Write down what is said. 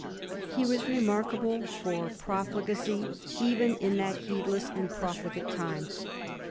He was remarkable for profligacy even in that heedless and profligate time.